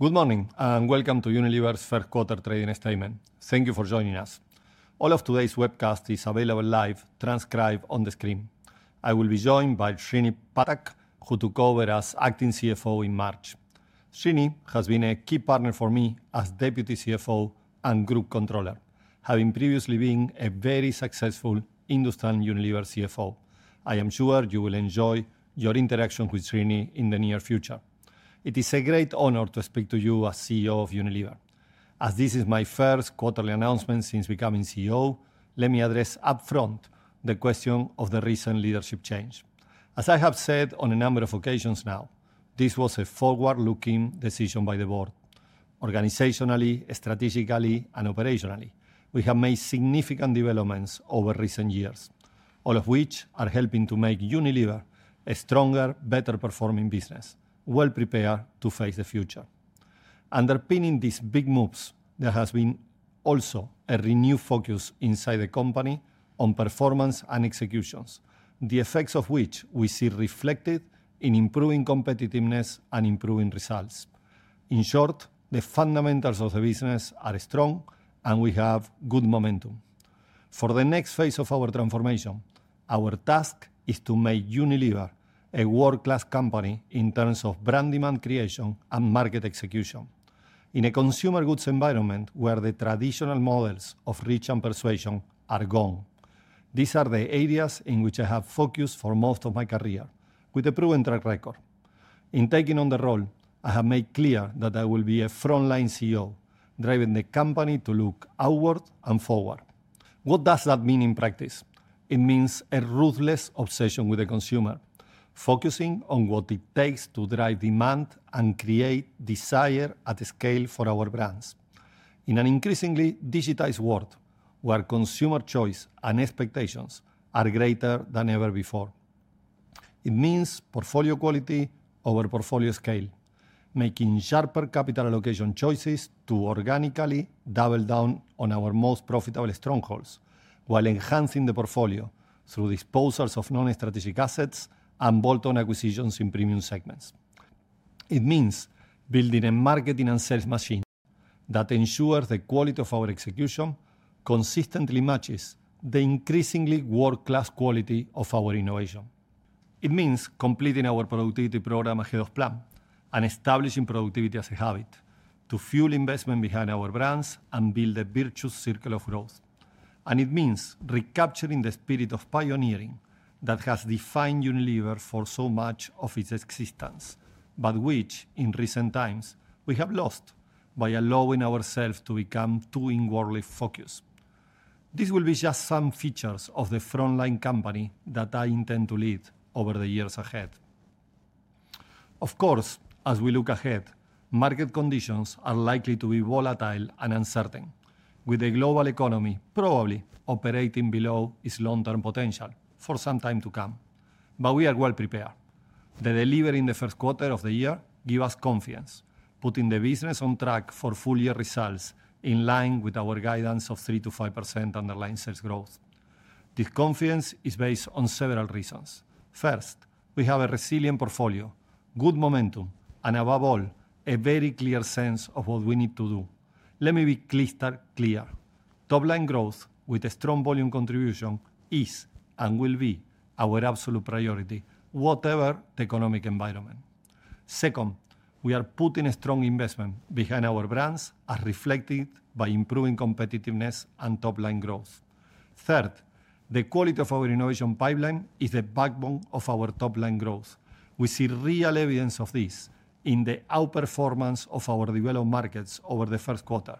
Good morning and welcome to Unilever's Q1 trading statement. Thank you for joining us. All of today's webcast is available live, transcribed on the screen. I will be joined by Srinivas Phatak, who took over as Acting CFO in March. Srini has been a key partner for me as Deputy CFO and Group Comptroller, having previously been a very successful industry and Unilever CFO. I am sure you will enjoy your interaction with Srini in the near future. It is a great honor to speak to you as CEO of Unilever. As this is my first quarterly announcement since becoming CEO, let me address upfront the question of the recent leadership change. As I have said on a number of occasions now, this was a forward-looking decision by the board. Organizationally, strategically, and operationally, we have made significant developments over recent years, all of which are helping to make Unilever a stronger, better-performing business, well-prepared to face the future. Underpinning these big moves, there has been also a renewed focus inside the company on performance and executions, the effects of which we see reflected in improving competitiveness and improving results. In short, the fundamentals of the business are strong, and we have good momentum. For the next phase of our transformation, our task is to make Unilever a world-class company in terms of brand demand creation and market execution. In a consumer goods environment where the traditional models of reach and persuasion are gone. These are the areas in which I have focused for most of my career, with a proven track record. In taking on the role, I have made clear that I will be a frontline CEO, driving the company to look outward and forward. What does that mean in practice? It means a ruthless obsession with the consumer, focusing on what it takes to drive demand and create desire at scale for our brands, in an increasingly digitized world where consumer choice and expectations are greater than ever before. It means portfolio quality over portfolio scale, making sharper capital allocation choices to organically double down on our most profitable strongholds while enhancing the portfolio through disposals of non-strategic assets and bolt-on acquisitions in premium segments. It means building a marketing and sales machine that ensures the quality of our execution consistently matches the increasingly world-class quality of our innovation. It means completing our productivity program ahead of plan and establishing productivity as a habit to fuel investment behind our brands and build a virtuous circle of growth. It means recapturing the spirit of pioneering that has defined Unilever for so much of its existence, but which, in recent times, we have lost by allowing ourselves to become too inwardly focused. These will be just some features of the frontline company that I intend to lead over the years ahead. Of course, as we look ahead, market conditions are likely to be volatile and uncertain, with the global economy probably operating below its long-term potential for some time to come. We are well prepared. The delivery in the Q1 of the year gives us confidence, putting the business on track for full-year results in line with our guidance of 3% to 5% underlying sales growth. This confidence is based on several reasons. First, we have a resilient portfolio, good momentum, and above all, a very clear sense of what we need to do. Let me be crystal clear. Top-line growth with a strong volume contribution is and will be our absolute priority, whatever the economic environment. Second, we are putting a strong investment behind our brands, as reflected by improving competitiveness and top-line growth. Third, the quality of our innovation pipeline is the backbone of our top-line growth. We see real evidence of this in the outperformance of our developed markets over the Q1,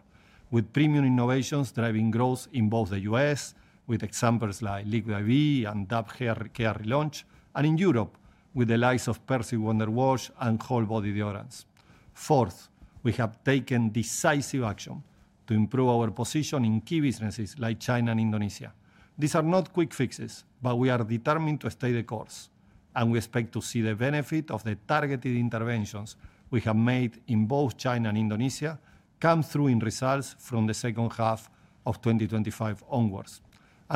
with premium innovations driving growth in both the U.S., with examples like Liquid I.V. and Dove hair care launch, and in Europe with the likes of Persil Wonder Wash and whole-body deodorant. Fourth, we have taken decisive action to improve our position in key businesses like China and Indonesia. These are not quick fixes, but we are determined to stay the course, and we expect to see the benefit of the targeted interventions we have made in both China and Indonesia come through in results from the second half of 2025 onwards.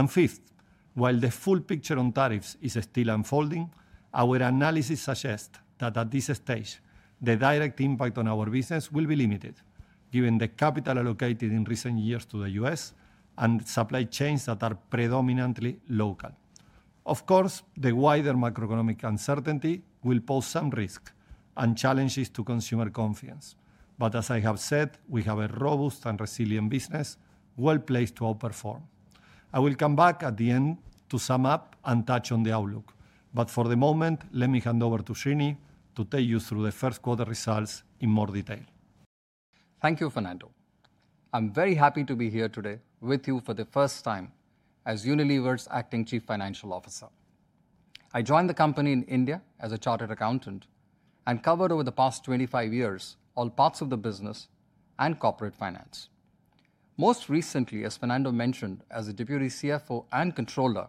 Fifth, while the full picture on tariffs is still unfolding, our analysis suggests that at this stage, the direct impact on our business will be limited, given the capital allocated in recent years to the U.S. and supply chains that are predominantly local. Of course, the wider macroeconomic uncertainty will pose some risk and challenges to consumer confidence. As I have said, we have a robust and resilient business, well placed to outperform. I will come back at the end to sum up and touch on the outlook, but for the moment, let me hand over to Srini to take you through the Q1 results in more detail. Thank you, Fernando. I'm very happy to be here today with you for the first time as Unilever's Acting Chief Financial Officer. I joined the company in India as a chartered accountant and covered over the past 25 years all parts of the business and corporate finance. Most recently, as Fernando mentioned, as a Deputy CFO and Comptroller,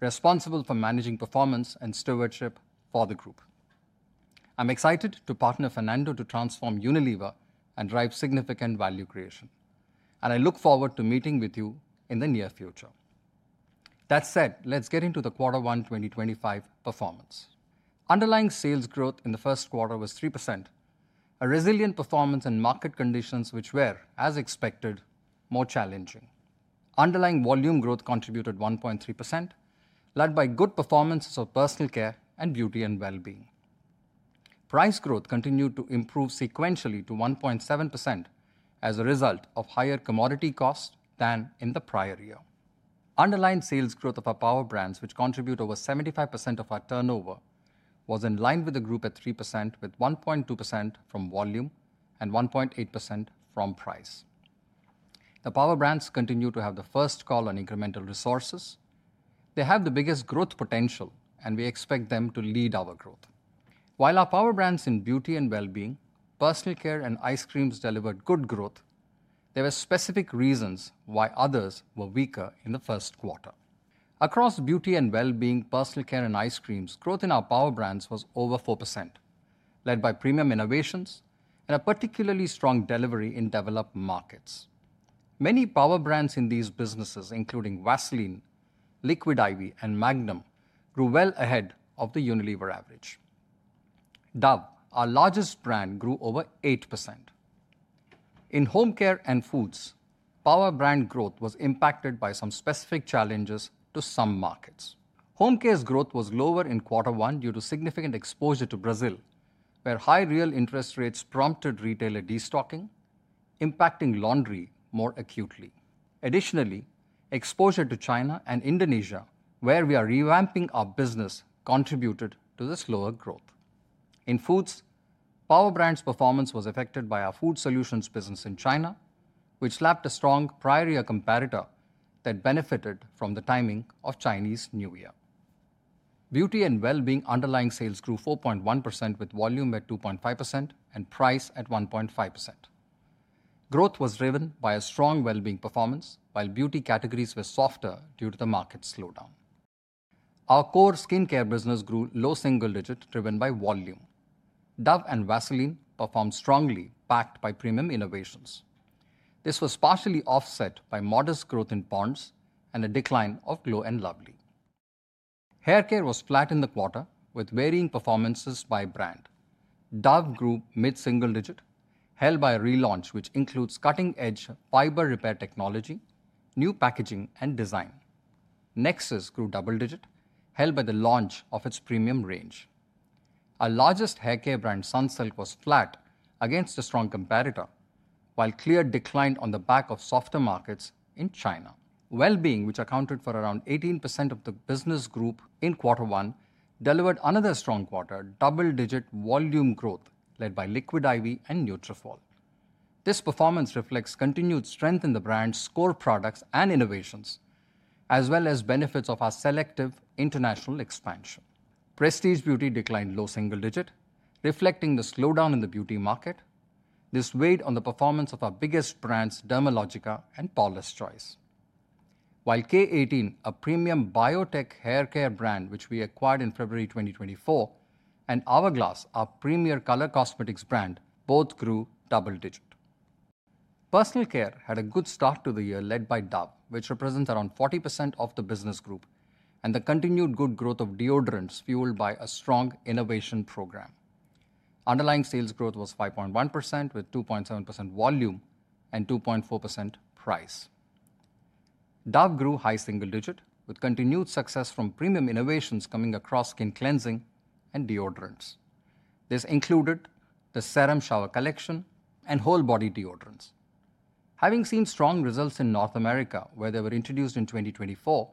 responsible for managing performance and stewardship for the group. I'm excited to partner with Fernando to transform Unilever and drive significant value creation. I look forward to meeting with you in the near future. That said, let's get into the Q1 2025 performance. Underlying sales growth in the Q1 was 3%. A resilient performance in market conditions which were, as expected, more challenging. Underlying volume growth contributed 1.3%, led by good performances of personal care and beauty and well-being. Price growth continued to improve sequentially to 1.7% as a result of higher commodity costs than in the prior year. Underlying sales growth of our power brands, which contribute over 75% of our turnover, was in line with the group at 3%, with 1.2% from volume and 1.8% from price. The power brands continue to have the first call on incremental resources. They have the biggest growth potential, and we expect them to lead our growth. While our power brands in beauty and well-being, personal care, and ice creams delivered good growth, there were specific reasons why others were weaker in the Q1. Across beauty and well-being, personal care, and ice creams, growth in our power brands was over 4%, led by premium innovations and a particularly strong delivery in developed markets. Many power brands in these businesses, including Vaseline, Liquid I.V., and Magnum, grew well ahead of the Unilever average. Dove, our largest brand, grew over 8%. In home care and foods, power brand growth was impacted by some specific challenges to some markets. Home care's growth was lower in Q1 due to significant exposure to Brazil, where high real interest rates prompted retailer destocking, impacting laundry more acutely. Additionally, exposure to China and Indonesia, where we are revamping our business, contributed to this slower growth. In foods, power brands' performance was affected by our food solutions business in China, which lacked a strong prior-year competitor that benefited from the timing of Chinese New Year. Beauty and well-being underlying sales grew 4.1%, with volume at 2.5% and price at 1.5%. Growth was driven by a strong well-being performance, while beauty categories were softer due to the market slowdown. Our core skincare business grew low single digits, driven by volume. Dove and Vaseline performed strongly, backed by premium innovations. This was partially offset by modest growth in Pond's and a decline of Glow & Lovely. Haircare was flat in the quarter, with varying performances by brand. Dove grew mid-single digit, held by a relaunch which includes cutting-edge fiber repair technology, new packaging, and design. Nexxus grew double digit, held by the launch of its premium range. Our largest haircare brand, Sunsilk, was flat against a strong competitor, while Clear declined on the back of softer markets in China. Well-being, which accounted for around 18% of the business group in Q1, delivered another strong quarter, double-digit volume growth, led by Liquid I.V. and Nutrafol. This performance reflects continued strength in the brand's core products and innovations, as well as benefits of our selective international expansion. Prestige Beauty declined low single digit, reflecting the slowdown in the beauty market. This weighed on the performance of our biggest brands, Dermalogica and Paula's Choice. While K18, a premium biotech haircare brand which we acquired in February 2024, and Hourglass, our premier color cosmetics brand, both grew double digit. Personal care had a good start to the year, led by Dove, which represents around 40% of the business group, and the continued good growth of deodorants fueled by a strong innovation program. Underlying sales growth was 5.1%, with 2.7% volume and 2.4% price. Dove grew high single digit, with continued success from premium innovations coming across skin cleansing and deodorants. This included the Serum Shower Collection and whole-body deodorants. Having seen strong results in North America, where they were introduced in 2024,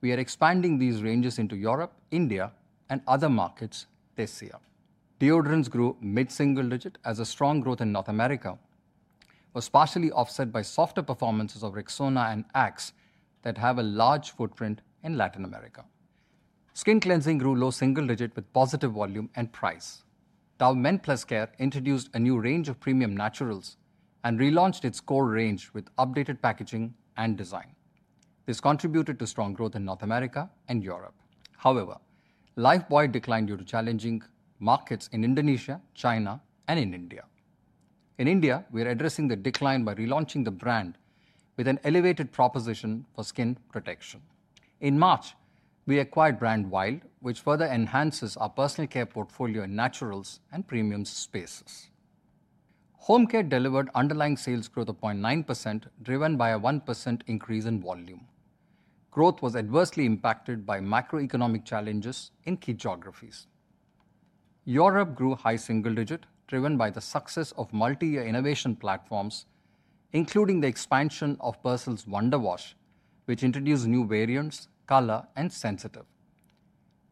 we are expanding these ranges into Europe, India, and other markets this year. Deodorants grew mid-single digit, as a strong growth in North America was partially offset by softer performances of Rexona and Axe that have a large footprint in Latin America. Skin cleansing grew low single digit, with positive volume and price. Dove Men+Care introduced a new range of premium naturals and relaunched its core range with updated packaging and design. This contributed to strong growth in North America and Europe. However, Lifebuoy declined due to challenging markets in Indonesia, China, and in India. In India, we are addressing the decline by relaunching the brand with an elevated proposition for skin protection. In March, we acquired brand Wild, which further enhances our personal care portfolio in naturals and premium spaces. Home care delivered underlying sales growth of 0.9%, driven by a 1% increase in volume. Growth was adversely impacted by macroeconomic challenges in key geographies. Europe grew high single digit, driven by the success of multi-year innovation platforms, including the expansion of Persil Wonder Wash, which introduced new variants, color, and sensitive.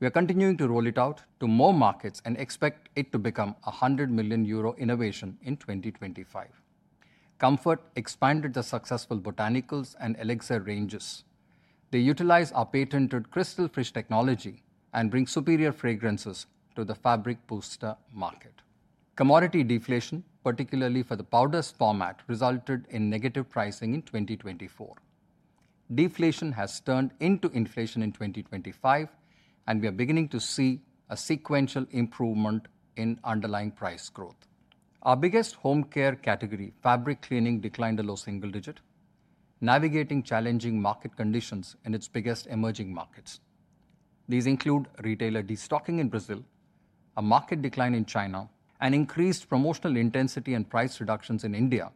We are continuing to roll it out to more markets and expect it to become a 100 million euro innovation in 2025. Comfort expanded the successful Botanicals and Elixir ranges. They utilize our patented Crystal Fresh technology and bring superior fragrances to the fabric booster market. Commodity deflation, particularly for the powder format, resulted in negative pricing in 2024. Deflation has turned into inflation in 2025, and we are beginning to see a sequential improvement in underlying price growth. Our biggest home care category, fabric cleaning, declined a low single digit, navigating challenging market conditions in its biggest emerging markets. These include retailer destocking in Brazil, a market decline in China, and increased promotional intensity and price reductions in India,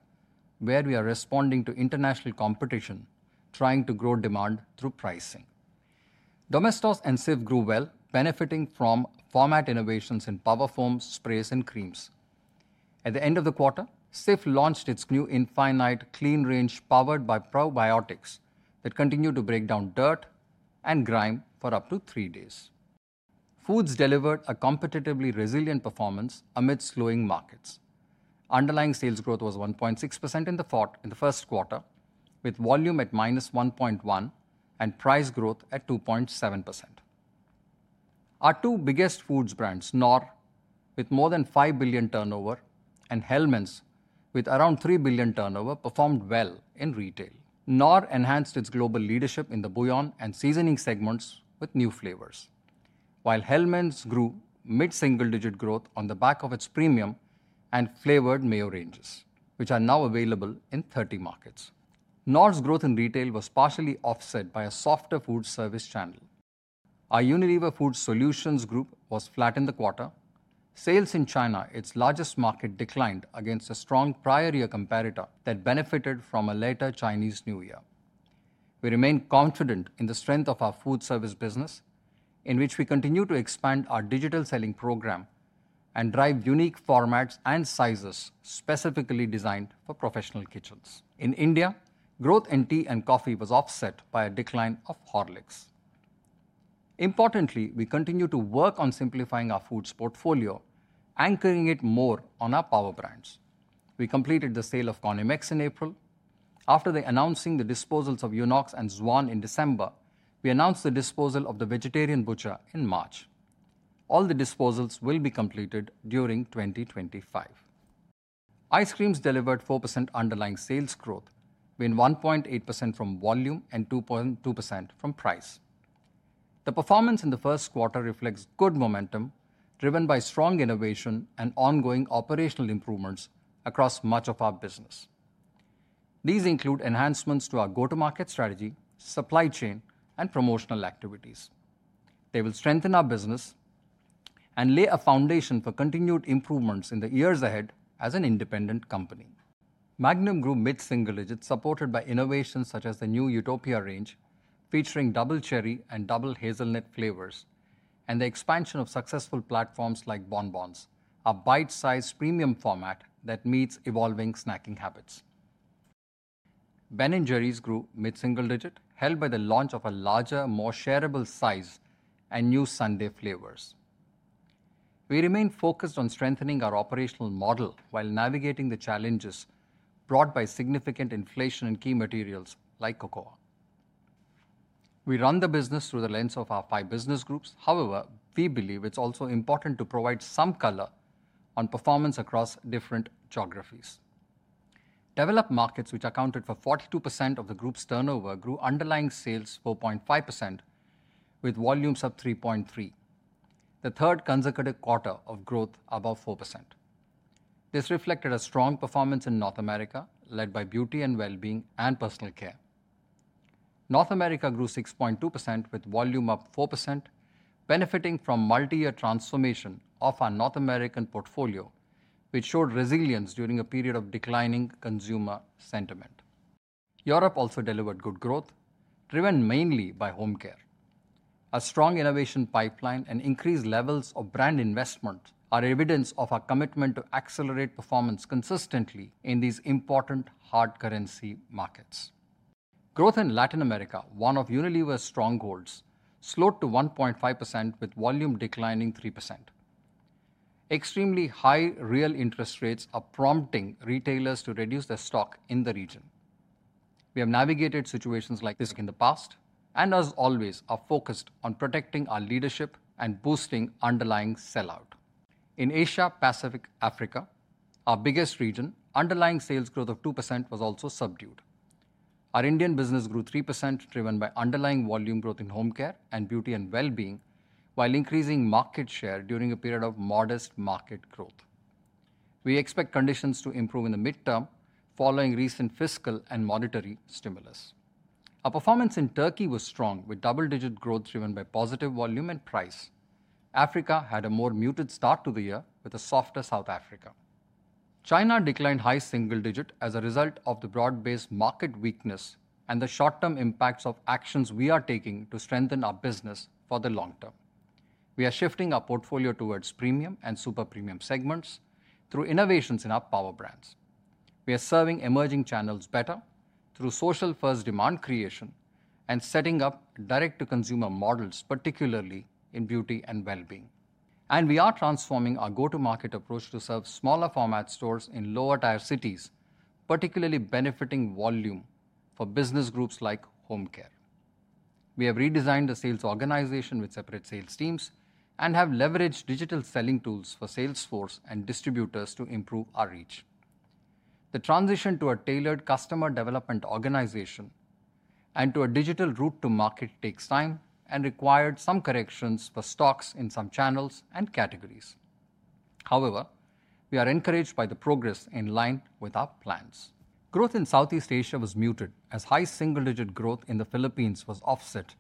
where we are responding to international competition, trying to grow demand through pricing. Domestos and Cif grew well, benefiting from format innovations in power foams, sprays, and creams. At the end of the quarter, Cif launched its new Infinite Clean range, powered by probiotics, that continued to break down dirt and grime for up to three days. Foods delivered a competitively resilient performance amidst slowing markets. Underlying sales growth was 1.6% in the Q1, with volume at -1.1% and price growth at 2.7%. Our two biggest foods brands, Knorr, with more than 5 billion turnover, and Hellmann's, with around 3 billion turnover, performed well in retail. Knorr enhanced its global leadership in the bouillon and seasoning segments with new flavors, while Hellmann's grew mid-single digit growth on the back of its premium and flavored mayo ranges, which are now available in 30 markets. Knorr's growth in retail was partially offset by a softer food service channel. Our Unilever Food Solutions group was flat in the quarter. Sales in China, its largest market, declined against a strong prior-year competitor that benefited from a later Chinese New Year. We remain confident in the strength of our food service business, in which we continue to expand our digital selling program and drive unique formats and sizes specifically designed for professional kitchens. In India, growth in tea and coffee was offset by a decline of Horlicks. Importantly, we continue to work on simplifying our foods portfolio, anchoring it more on our power brands. We completed the sale of Conimex in April. After announcing the disposals of Unox and Zwan in December, we announced the disposal of The Vegetarian Butcher in March. All the disposals will be completed during 2025. Ice creams delivered 4% underlying sales growth, with 1.8% from volume and 2.2% from price. The performance in the Q1 reflects good momentum, driven by strong innovation and ongoing operational improvements across much of our business. These include enhancements to our go-to-market strategy, supply chain, and promotional activities. They will strengthen our business and lay a foundation for continued improvements in the years ahead as an independent company. Magnum grew mid-single digits, supported by innovations such as the new Utopia range, featuring double cherry and double hazelnut flavors, and the expansion of successful platforms like Bon Bons, a bite-sized premium format that meets evolving snacking habits. Ben & Jerry's grew mid-single digit, held by the launch of a larger, more shareable size and new sundae flavors. We remain focused on strengthening our operational model while navigating the challenges brought by significant inflation in key materials like cocoa. We run the business through the lens of our five business groups. However, we believe it's also important to provide some color on performance across different geographies. Developed markets, which accounted for 42% of the group's turnover, grew underlying sales 4.5%, with volumes up 3.3%. The third consecutive quarter of growth above 4%. This reflected a strong performance in North America, led by beauty and well-being and personal care. North America grew 6.2%, with volume up 4%, benefiting from multi-year transformation of our North American portfolio, which showed resilience during a period of declining consumer sentiment. Europe also delivered good growth, driven mainly by home care. A strong innovation pipeline and increased levels of brand investment are evidence of our commitment to accelerate performance consistently in these important hard currency markets. Growth in Latin America, one of Unilever's strongholds, slowed to 1.5%, with volume declining 3%. Extremely high real interest rates are prompting retailers to reduce their stock in the region. We have navigated situations like this in the past, and as always, are focused on protecting our leadership and boosting underlying sellout. In Asia-Pacific-Africa, our biggest region, underlying sales growth of 2% was also subdued. Our Indian business grew 3%, driven by underlying volume growth in home care and beauty and well-being, while increasing market share during a period of modest market growth. We expect conditions to improve in the midterm, following recent fiscal and monetary stimulus. Our performance in Turkey was strong, with double-digit growth driven by positive volume and price. Africa had a more muted start to the year, with a softer South Africa. China declined high single digit as a result of the broad-based market weakness and the short-term impacts of actions we are taking to strengthen our business for the long term. We are shifting our portfolio towards premium and super premium segments through innovations in our power brands. We are serving emerging channels better through social-first demand creation and setting up direct-to-consumer models, particularly in beauty and well-being. We are transforming our go-to-market approach to serve smaller format stores in lower-tier cities, particularly benefiting volume for business groups like home care. We have redesigned the sales organization with separate sales teams and have leveraged digital selling tools for sales force and distributors to improve our reach. The transition to a tailored customer development organization and to a digital route to market takes time and required some corrections for stocks in some channels and categories. However, we are encouraged by the progress in line with our plans. Growth in Southeast Asia was muted as high single-digit growth in the Philippines was offset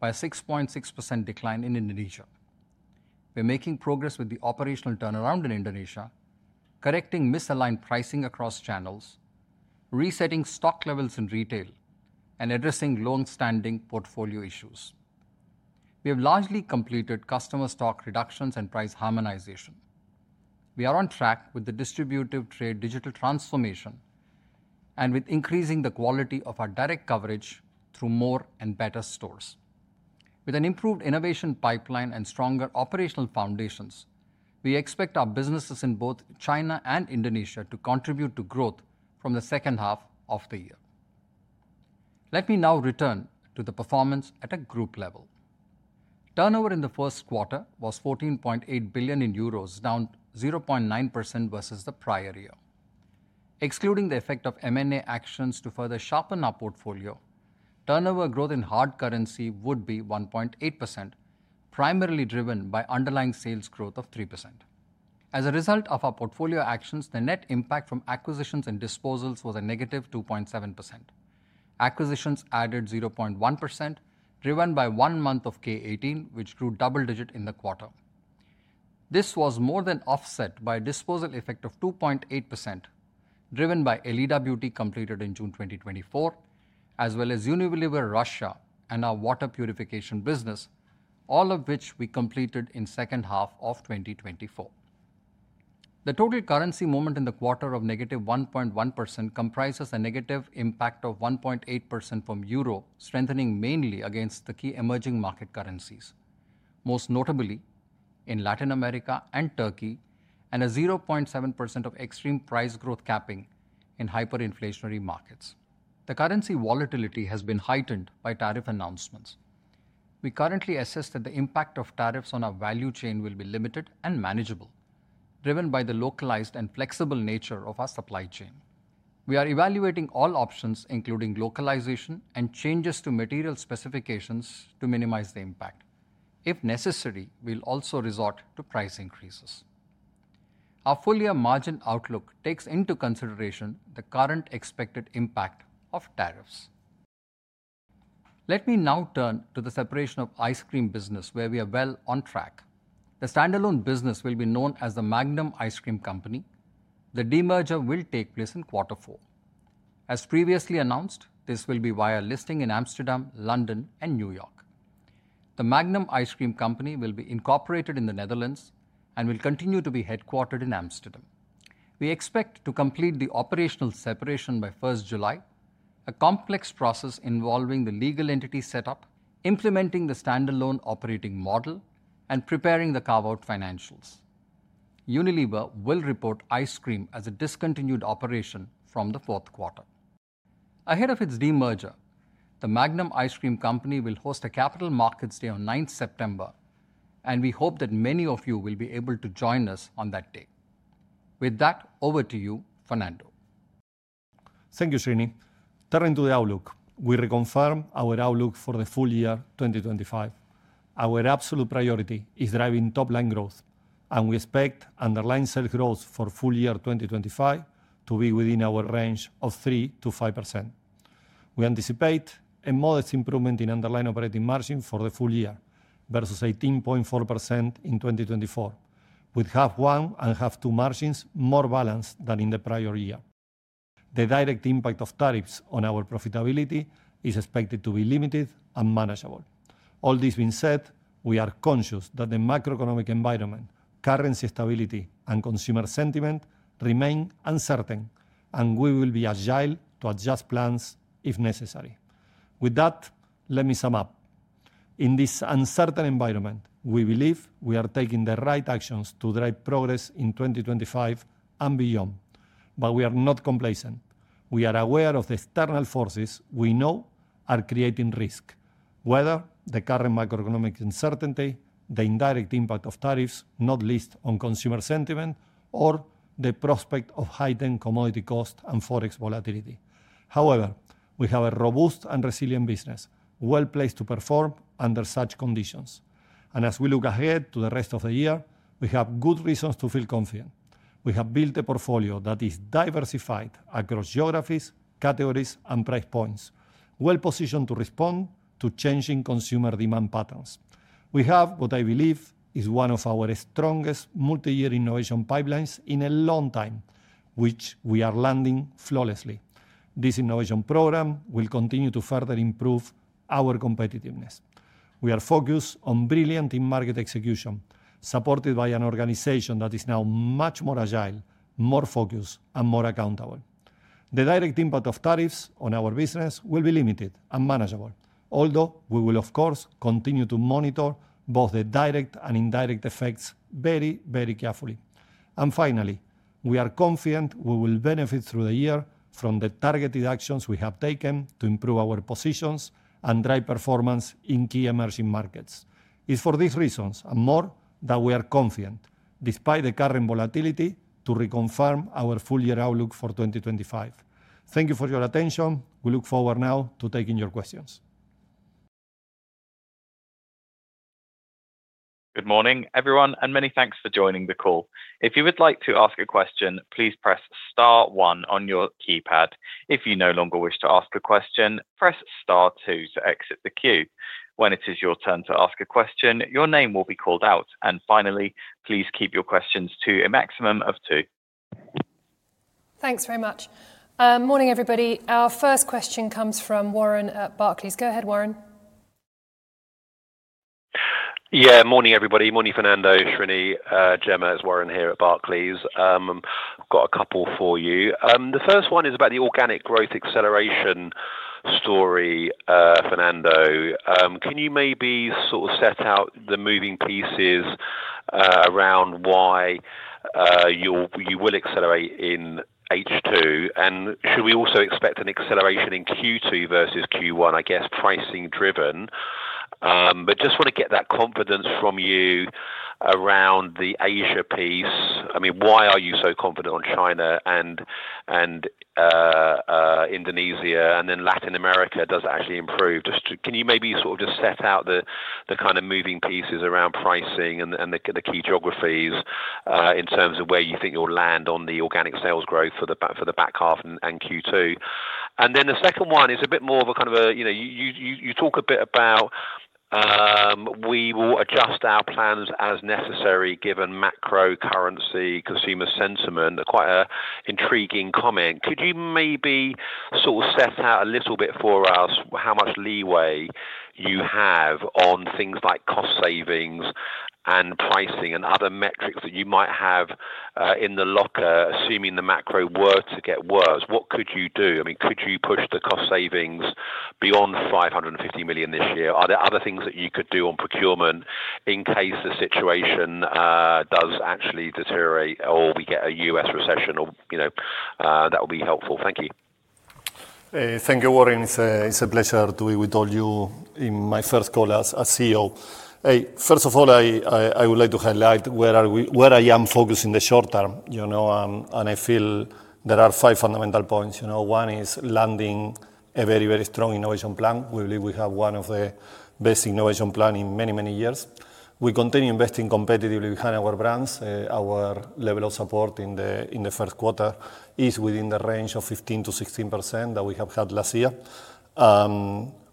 by a 6.6% decline in Indonesia. We are making progress with the operational turnaround in Indonesia, correcting misaligned pricing across channels, resetting stock levels in retail, and addressing long-standing portfolio issues. We have largely completed customer stock reductions and price harmonization. We are on track with the distributive trade digital transformation and with increasing the quality of our direct coverage through more and better stores. With an improved innovation pipeline and stronger operational foundations, we expect our businesses in both China and Indonesia to contribute to growth from the second half of the year. Let me now return to the performance at a group level. Turnover in the Q1 was 14.8 billion euros, down 0.9% versus the prior year. Excluding the effect of M&A actions to further sharpen our portfolio, turnover growth in hard currency would be 1.8%, primarily driven by underlying sales growth of 3%. As a result of our portfolio actions, the net impact from acquisitions and disposals was a negative 2.7%. Acquisitions added 0.1%, driven by one month of K18, which grew double digit in the quarter. This was more than offset by a disposal effect of 2.8%, driven by Elida Beauty completed in June 2024, as well as Unilever Russia and our water purification business, all of which we completed in the H2 of 2024. The total currency moment in the quarter of negative 1.1% comprises a negative impact of 1.8% from euro, strengthening mainly against the key emerging market currencies, most notably in Latin America and Turkey, and a 0.7% of extreme price growth capping in hyperinflationary markets. The currency volatility has been heightened by tariff announcements. We currently assess that the impact of tariffs on our value chain will be limited and manageable, driven by the localized and flexible nature of our supply chain. We are evaluating all options, including localization and changes to material specifications, to minimize the impact. If necessary, we'll also resort to price increases. Our full-year margin outlook takes into consideration the current expected impact of tariffs. Let me now turn to the separation of ice cream business, where we are well on track. The standalone business will be known as the Magnum Ice Cream Company. The demerger will take place in Q4. As previously announced, this will be via listing in Amsterdam, London, and New York. The Magnum Ice Cream Company will be incorporated in the Netherlands and will continue to be headquartered in Amsterdam. We expect to complete the operational separation by 1 July, a complex process involving the legal entity setup, implementing the standalone operating model, and preparing the carve-out financials. Unilever will report ice cream as a discontinued operation from the Q4. Ahead of its demerger, the Magnum Ice Cream Company will host a capital markets day on 9 September, and we hope that many of you will be able to join us on that day. With that, over to you, Fernando. Thank you, Srini. Turning to the outlook, we reconfirm our outlook for the full year 2025. Our absolute priority is driving top-line growth, and we expect underlying sales growth for full year 2025 to be within our range of 3% to 5%. We anticipate a modest improvement in underlying operating margin for the full year versus 18.4% in 2024, with H1 and H2 margins more balanced than in the prior year. The direct impact of tariffs on our profitability is expected to be limited and manageable. All this being said, we are conscious that the macroeconomic environment, currency stability, and consumer sentiment remain uncertain, and we will be agile to adjust plans if necessary. With that, let me sum up. In this uncertain environment, we believe we are taking the right actions to drive progress in 2025 and beyond, but we are not complacent. We are aware of the external forces we know are creating risk, whether the current macroeconomic uncertainty, the indirect impact of tariffs not least on consumer sentiment, or the prospect of heightened commodity costs and forex volatility. However, we have a robust and resilient business, well placed to perform under such conditions. As we look ahead to the rest of the year, we have good reasons to feel confident. We have built a portfolio that is diverCified across geographies, categories, and price points, well positioned to respond to changing consumer demand patterns. We have, what I believe, is one of our strongest multi-year innovation pipelines in a long time, which we are landing flawlessly. This innovation program will continue to further improve our competitiveness. We are focused on brilliant in-market execution, supported by an organization that is now much more agile, more focused, and more accountable. The direct impact of tariffs on our business will be limited and manageable. Although we will, of course, continue to monitor both the direct and indirect effects very, very carefully. Finally, we are confident we will benefit through the year from the targeted actions we have taken to improve our positions and drive performance in key emerging markets. It is for these reasons and more that we are confident, despite the current volatility, to reconfirm our full-year outlook for 2025. Thank you for your attention. We look forward now to taking your questions. Good morning, everyone, and many thanks for joining the call. If you would like to ask a question, please press star one on your keypad. If you no longer wish to ask a question, press star two to exit the queue. When it is your turn to ask a question, your name will be called out. Finally, please keep your questions to a maximum of two. Thanks very much. Morning, everybody. Our first question comes from Warren at Barclays. Go ahead, Warren. Yeah, morning, everybody. Morning, Fernando, Srini, Gemma, as Warren here at Barclays. I've got a couple for you. The first one is about the organic growth acceleration story, Fernando. Can you maybe sort of set out the moving pieces around why you will accelerate in H2? Should we also expect an acceleration in Q2 versus Q1, I guess, pricing-driven? Just want to get that confidence from you around the Asia piece. I mean, why are you so confident on China and Indonesia and then Latin America? Does it actually improve? Just can you maybe sort of just set out the kind of moving pieces around pricing and the key geographies in terms of where you think you'll land on the organic sales growth for the back half and Q2? The second one is a bit more of a kind of a you talk a bit about, "We will adjust our plans as necessary given macro currency consumer sentiment." Quite an intriguing comment. Could you maybe sort of set out a little bit for us how much leeway you have on things like cost savings and pricing and other metrics that you might have in the locker, assuming the macro were to get worse? What could you do? I mean, could you push the cost savings beyond 550 million this year? Are there other things that you could do on procurement in case the situation does actually deteriorate or we get a U.S. recession? That would be helpful. Thank you. Thank you, Warren. It's a pleasure to be with all you in my first call as CEO. First of all, I would like to highlight where I am focused in the short term. I feel there are five fundamental points. One is landing a very, very strong innovation plan. We believe we have one of the best innovation plans in many, many years. We continue investing competitively behind our brands. Our level of support in the Q1 is within the range of 15% to 16% that we have had last year.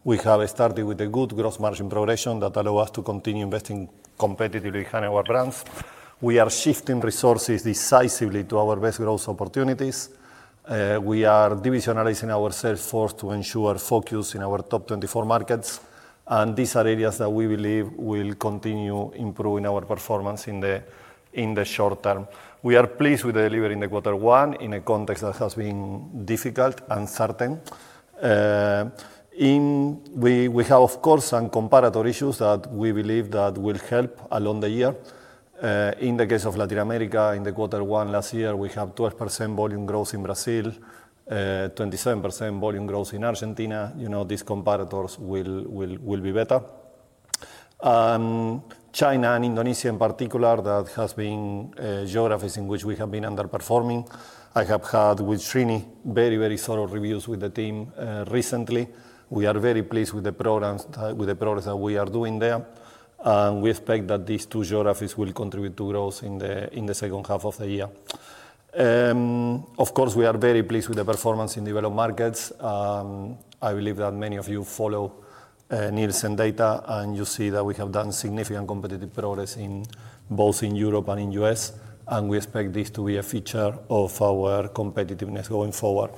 We have started with a good gross margin progression that allows us to continue investing competitively behind our brands. We are shifting resources decisively to our best growth opportunities. We are divisionalizing our sales force to ensure focus in our top 24 markets. These are areas that we believe will continue improving our performance in the short term. We are pleased with the delivery in Q1 in a context that has been difficult and certain. We have, of course, some comparator issues that we believe will help along the year. In the case of Latin America, in Q1 last year, we have 12% volume growth in Brazil, 27% volume growth in Argentina. These comparators will be better. China and Indonesia, in particular, that have been geographies in which we have been underperforming. I have had, with Srini, very, very thorough reviews with the team recently. We are very pleased with the progress that we are doing there. We expect that these two geographies will contribute to growth in H2 of the year. Of course, we are very pleased with the performance in developed markets. I believe that many of you follow Nielsen data, and you see that we have done significant competitive progress both in Europe and in the U.S. We expect this to be a feature of our competitiveness going forward.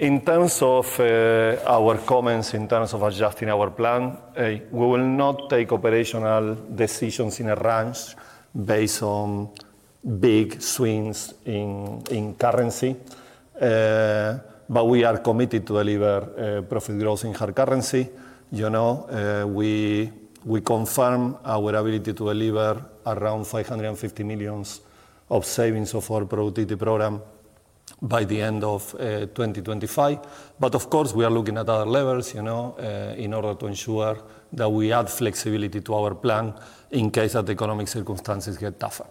In terms of our comments in terms of adjusting our plan, we will not take operational decisions in a range based on big swings in currency. But we are committed to deliver profit growth in hard currency. We confirm our ability to deliver around 550 million of savings of our productivity program by the end of 2025. Of course, we are looking at other levels in order to ensure that we add flexibility to our plan in case that economic circumstances get tougher.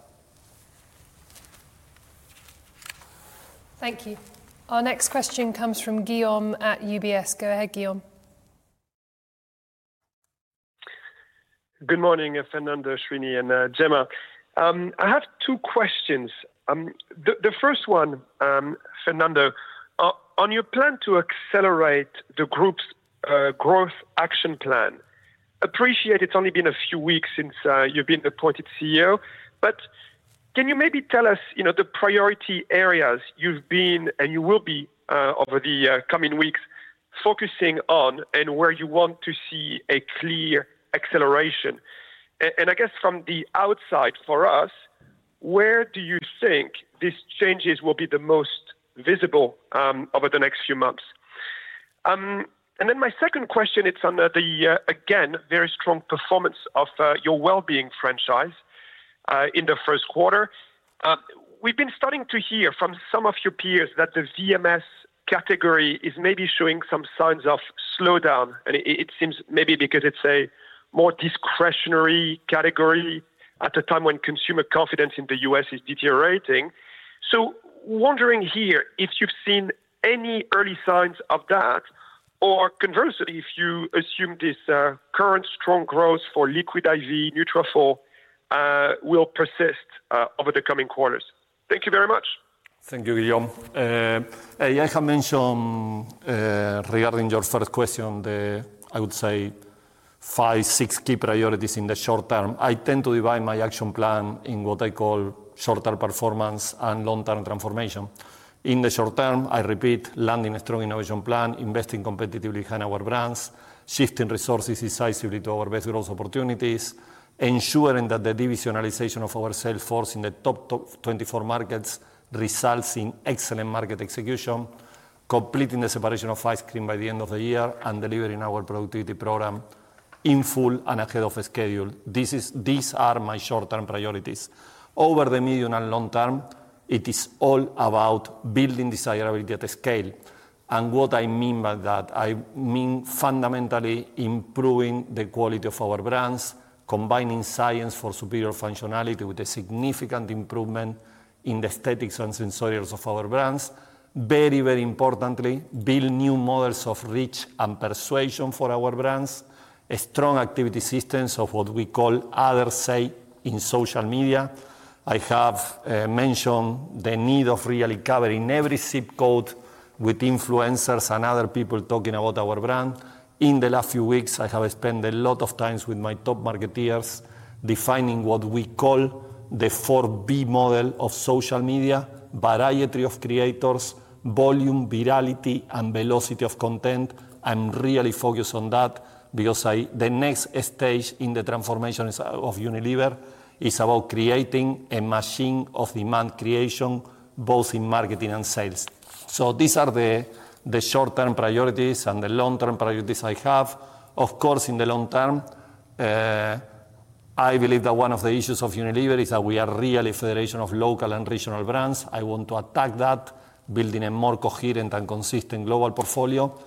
Thank you. Our next question comes from Guillaume at UBS. Go ahead, Guillaume. Good morning, Fernando, Srini, and Gemma. I have two questions. The first one, Fernando, on your plan to accelerate the group's growth action plan, appreciate it's only been a few weeks since you've been appointed CEO, but can you maybe tell us the priority areas you've been and you will be over the coming weeks focusing on and where you want to see a clear acceleration? I guess from the outside for us, where do you think these changes will be the most visible over the next few months? My second question, it's under the, again, very strong performance of your well-being franchise in the Q1. We've been starting to hear from some of your peers that the VMS category is maybe showing some signs of slowdown. It seems maybe because it's a more discretionary category at a time when consumer confidence in the U.S. is deteriorating. I am wondering here if you've seen any early signs of that, or conversely, if you assume this current strong growth for Liquid I.V., Nutrafol, will persist over the coming quarters. Thank you very much. Thank you, Guillaume. I have mentioned regarding your first question, the, I would say, five, six key priorities in the short term. I tend to divide my action plan in what I call short-term performance and long-term transformation. In the short term, I repeat, landing a strong innovation plan, investing competitively behind our brands, shifting resources decisively to our best growth opportunities, ensuring that the divisionalization of our sales force in the top 24 markets results in excellent market execution, completing the separation of ice cream by the end of the year, and delivering our productivity program in full and ahead of schedule. These are my short-term priorities. Over the medium and long term, it is all about building desirability at a scale. What I mean by that, I mean fundamentally improving the quality of our brands, combining science for superior functionality with a significant improvement in the aesthetics and sensorials of our brands. Very, very importantly, building new models of reach and persuasion for our brands, a strong activity system of what we call other say in social media. I have mentioned the need of really covering every zip code with influencers and other people talking about our brand. In the last few weeks, I have spent a lot of time with my top marketers defining what we call the 4V model of social media, variety of creators, volume, virality, and velocity of content. I'm really focused on that because the next stage in the transformation of Unilever is about creating a machine of demand creation both in marketing and sales. These are the short-term priorities and the long-term priorities I have. Of course, in the long term, I believe that one of the issues of Unilever is that we are really a federation of local and regional brands. I want to attack that, building a more coherent and consistent global portfolio,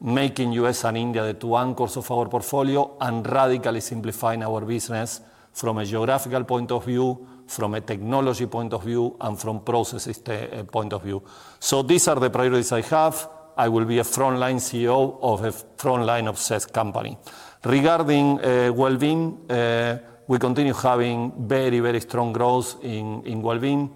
making U.S. and India the two anchors of our portfolio, and radically simplifying our business from a geographical point of view, from a technology point of view, and from a process point of view. These are the priorities I have. I will be a frontline CEO of a frontline-obsessed company. Regarding well-being, we continue having very, very strong growth in well-being.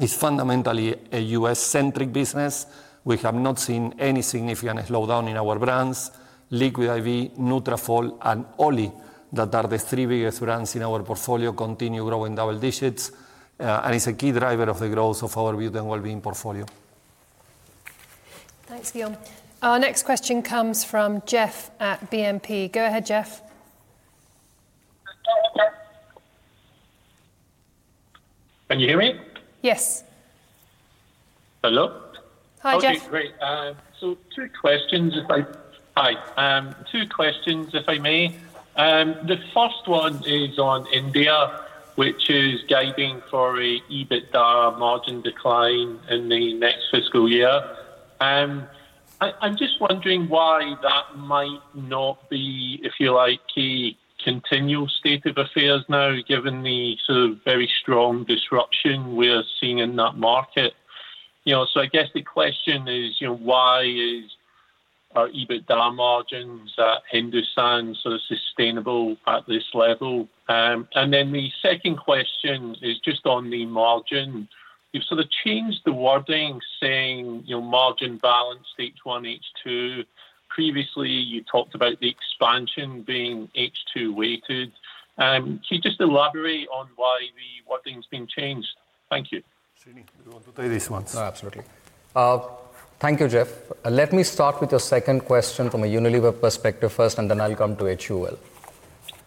It's fundamentally a U.S.-centric business. We have not seen any significant slowdown in our brands, Liquid I.V., Nutrafol, and Olly, that are the three biggest brands in our portfolio, continue growing double digits. It's a key driver of the growth of our beauty and well-being portfolio. Thanks, Guillaume. Our next question comes from Jeff at BNP. Go ahead, Jeff. Can you hear me? Yes. Hello? Hi, Jeff. Okay, great. Two questions, if I may. The first one is on India, which is guiding for an EBITDA margin decline in the next fiscal year. I'm just wondering why that might not be, if you like, a continual state of affairs now, given the sort of very strong disruption we're seeing in that market. I guess the question is, why are EBITDA margins at Hindustan so sustainable at this level? The second question is just on the margin. You've sort of changed the wording, saying margin balanced H1, H2. Previously, you talked about the expansion being H2-weighted. Can you just elaborate on why the wording's been changed? Thank you. Srinivas, you want to take this one. Absolutely. Thank you, Jeff. Let me start with your second question from a Unilever perspective first, and then I'll come to HUL.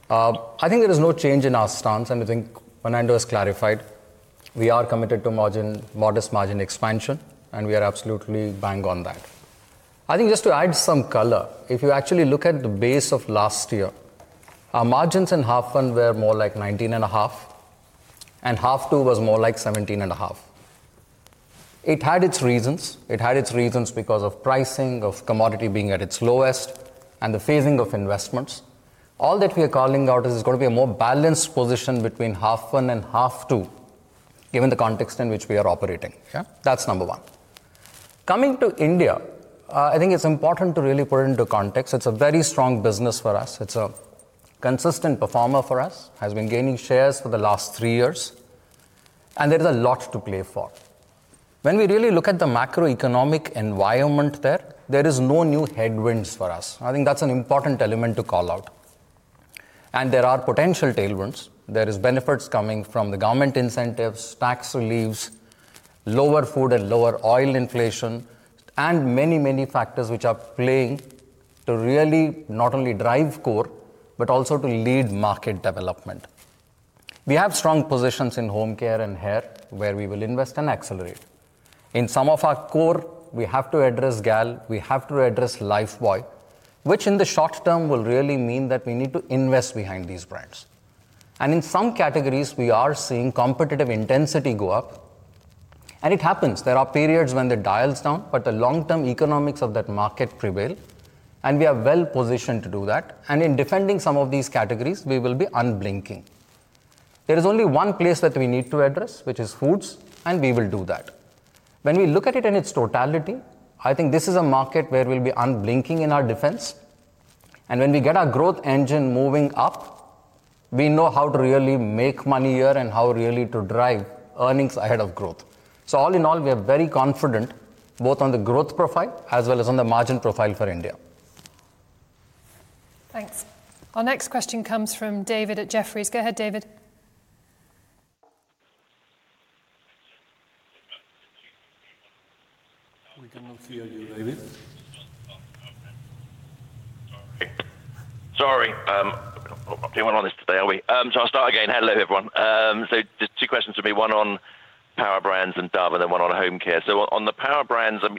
I think there is no change in our stance, and I think Fernando has clarified. We are committed to modest margin expansion, and we are absolutely banged on that. I think just to add some color, if you actually look at the base of last year, our margins in H1 were more like 19.5, and H2 was more like 17.5. It had its reasons. It had its reasons because of pricing, of commodity being at its lowest, and the phasing of investments. All that we are calling out is there's going to be a more balanced position between H1 and H2, given the context in which we are operating. That's number one. Coming to India, I think it's important to really put it into context. It's a very strong business for us. It's a consistent performer for us, has been gaining shares for the last three years. There is a lot to play for. When we really look at the macroeconomic environment there, there are no new headwinds for us. I think that's an important element to call out. There are potential tailwinds. There are benefits coming from the government incentives, tax reliefs, lower food and lower oil inflation, and many, many factors which are playing to really not only drive core, but also to lead market development. We have strong positions in home care and hair, where we will invest and accelerate. In some of our core, we have to address GAL, we have to address Lifebuoy, which in the short term will really mean that we need to invest behind these brands. In some categories, we are seeing competitive intensity go up. It happens. There are periods when the dial's down, but the long-term economics of that market prevail. We are well positioned to do that. In defending some of these categories, we will be unblinking. There is only one place that we need to address, which is foods, and we will do that. When we look at it in its totality, I think this is a market where we'll be unblinking in our defense. When we get our growth engine moving up, we know how to really make money here and how really to drive earnings ahead of growth. All in all, we are very confident both on the growth profile as well as on the margin profile for India. Thanks. Our next question comes from David at Jefferies. Go ahead, David. We cannot hear you, David. Sorry. I'm doing one on this today, are we? I'll start again. Hello, everyone. There are two questions for me. One on power brands and Dove, and then one on home care. On the power brands, you're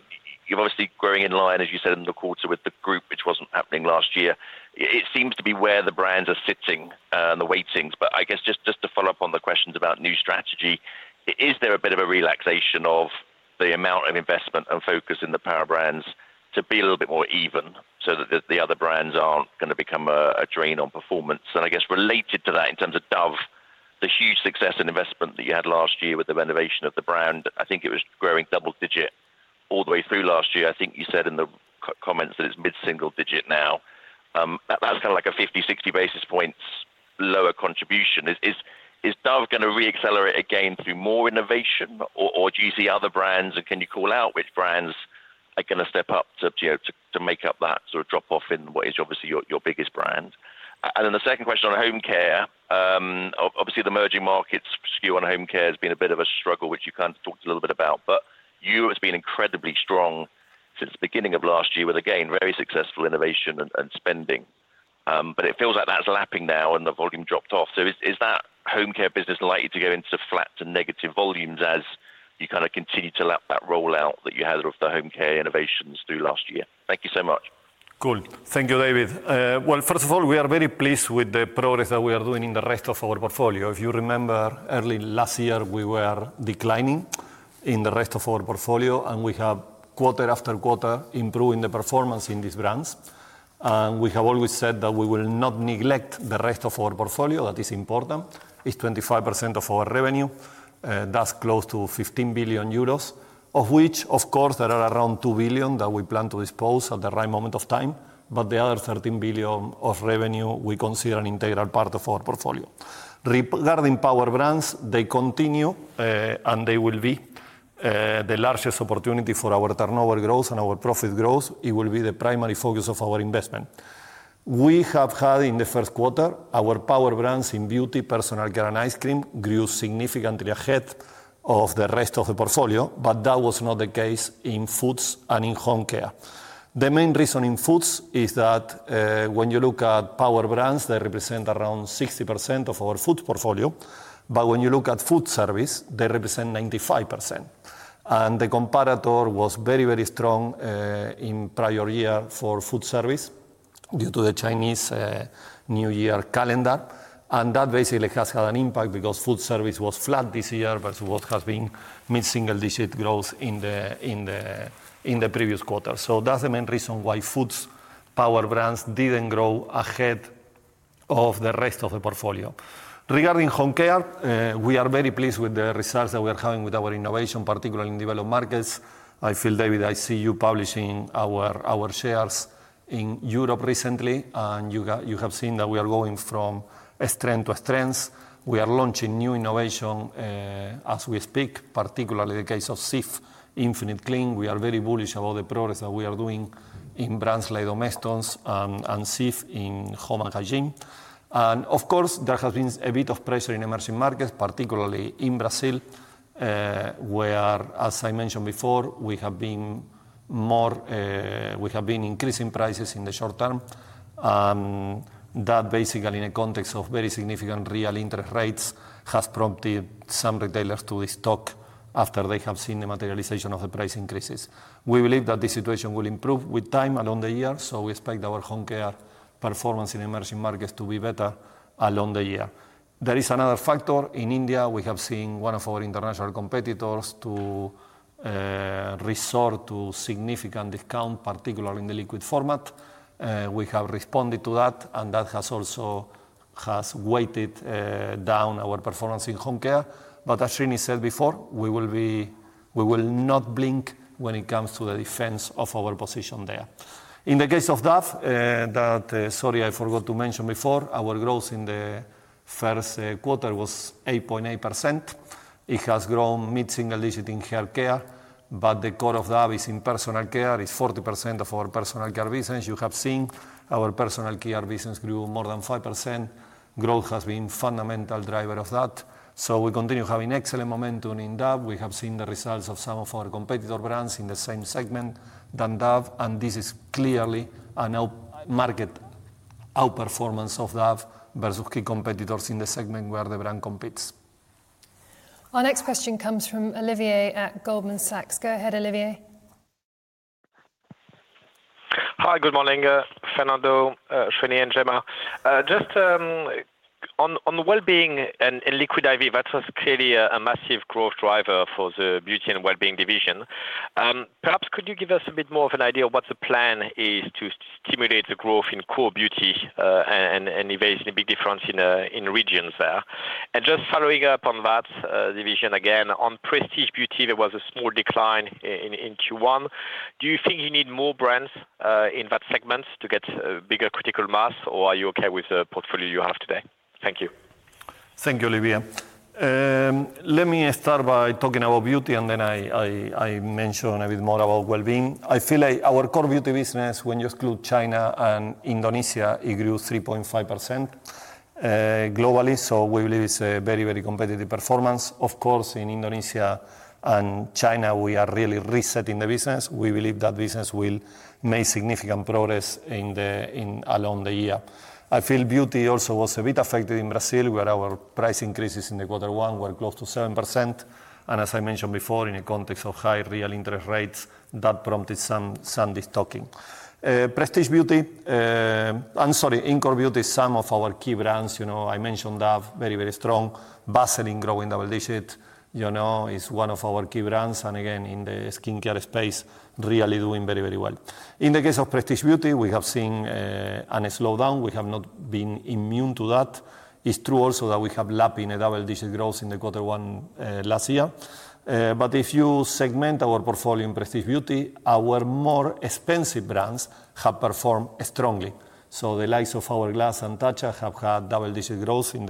obviously growing in line, as you said in the quarter, with the group, which was not happening last year. It seems to be where the brands are sitting and the weightings. I guess just to follow up on the questions about new strategy, is there a bit of a relaxation of the amount of investment and focus in the power brands to be a little bit more even so that the other brands are not going to become a drain on performance? I guess related to that, in terms of Dove, the huge success and investment that you had last year with the renovation of the brand, I think it was growing double digit all the way through last year. I think you said in the comments that it's mid-single digit now. That's kind of like a 50/60 basis points lower contribution. Is Dove going to re-accelerate again through more innovation, or do you see other brands, and can you call out which brands are going to step up to make up that sort of drop-off in what is obviously your biggest brand? The second question on home care, obviously the emerging market's skew on home care has been a bit of a struggle, which you kind of talked a little bit about. You have been incredibly strong since the beginning of last year with, again, very successful innovation and spending. It feels like that's lapping now, and the volume dropped off. Is that home care business likely to go into flat and negative volumes as you kind of continue to lap that rollout that you had of the home care innovations through last year? Thank you so much. Cool. Thank you, David. First of all, we are very pleased with the progress that we are doing in the rest of our portfolio. If you remember, early last year, we were declining in the rest of our portfolio, and we have quarter after quarter improved the performance in these brands. We have always said that we will not neglect the rest of our portfolio. That is important. It is 25% of our revenue, that is close to 15 billion euros, of which, of course, there are around 2 billion that we plan to dispose at the right moment of time. The other 13 billion of revenue, we consider an integral part of our portfolio. Regarding power brands, they continue, and they will be the largest opportunity for our turnover growth and our profit growth. It will be the primary focus of our investment. We have had, in Q1, our power brands in beauty, personal care, and ice cream grew significantly ahead of the rest of the portfolio, but that was not the case in foods and in home care. The main reason in foods is that when you look at power brands, they represent around 60% of our foods portfolio. When you look at food service, they represent 95%. The comparator was very, very strong in prior year for food service due to the Chinese New Year calendar. That basically has had an impact because food service was flat this year versus what has been mid-single digit growth in the previous quarter. That is the main reason why foods power brands did not grow ahead of the rest of the portfolio. Regarding home care, we are very pleased with the results that we are having with our innovation, particularly in developed markets. I feel, David, I see you publishing our shares in Europe recently, and you have seen that we are going from strength to strength. We are launching new innovation as we speak, particularly the case of Cif, Infinite Clean. We are very bullish about the progress that we are doing in brands like Domestos and Cif in home and hygiene. Of course, there has been a bit of pressure in emerging markets, particularly in Brazil, where, as I mentioned before, we have been increasing prices in the short term. That, basically, in a context of very significant real interest rates, has prompted some retailers to stock after they have seen the materialization of the price increases. We believe that this situation will improve with time along the year, so we expect our home care performance in emerging markets to be better along the year. There is another factor. In India, we have seen one of our international competitors resort to significant discount, particularly in the liquid format. We have responded to that, and that has also weighted down our performance in home care. As Srini said before, we will not blink when it comes to the defense of our position there. In the case of Dove, sorry, I forgot to mention before, our growth in Q1 was 8.8%. It has grown mid-single digit in hair care, but the core of Dove is in personal care. It's 40% of our personal care business. You have seen our personal care business grew more than 5%. Growth has been a fundamental driver of that. We continue having excellent momentum in Dove. We have seen the results of some of our competitor brands in the same segment as Dove, and this is clearly a market outperformance of Dove versus key competitors in the segment where the brand competes. Our next question comes from Olivier at Goldman Sachs. Go ahead, Olivier. Hi, good morning, Fernando, Srini, and Gemma. Just on well-being and Liquid I.V., that was clearly a massive growth driver for the beauty and well-being division. Perhaps could you give us a bit more of an idea of what the plan is to stimulate the growth in core beauty and evade any big difference in regions there? Just following up on that division, again, on prestige beauty, there was a small decline in Q1. Do you think you need more brands in that segment to get a bigger critical mass, or are you okay with the portfolio you have today? Thank you. Thank you, Olivier. Let me start by talking about beauty, and then I mention a bit more about well-being. I feel like our core beauty business, when you exclude China and Indonesia, it grew 3.5% globally, so we believe it's a very, very competitive performance. Of course, in Indonesia and China, we are really resetting the business. We believe that business will make significant progress along the year. I feel beauty also was a bit affected in Brazil, where our price increases in quarter one were close to 7%. As I mentioned before, in the context of high real interest rates, that prompted some stocking. In core beauty, some of our key brands, I mentioned Dove, very, very strong. Vaseline growing double digit is one of our key brands, and again, in the skincare space, really doing very, very well. In the case of prestige beauty, we have seen a slowdown. We have not been immune to that. It is true also that we have lapping a double digit growth in Q1 last year. If you segment our portfolio in prestige beauty, our more expensive brands have performed strongly. The likes of Hourglass and Tatcha have had double digit growth in